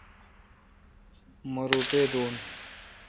مہ روپہ دوں۔